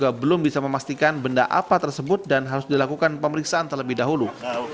keluarga belum bisa memastikan benda apa tersebut dan harus dilakukan pemeriksaan terlebih dahulu